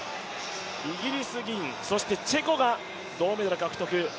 イギリス銀、チェコが銅メダル獲得。